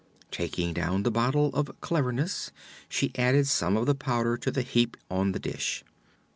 Taking down the bottle of "Cleverness" she added some of the powder to the heap on the dish.